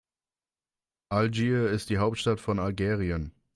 Algier ist die Hauptstadt von Algerien.